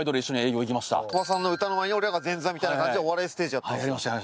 鳥羽さんの歌の前に俺らが前座みたいな感じでお笑いステージやったんですよ。